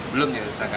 belum jadi tersangka